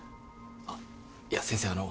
あっいや先生あの。